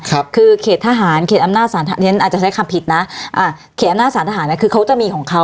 คือเขตทหารเขตอำนาจศาลอาจจะใช้คำผิดนะอ่าเขตอำนาจสารทหารเนี้ยคือเขาจะมีของเขา